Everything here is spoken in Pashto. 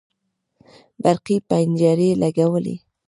برقي پنجرې لګوي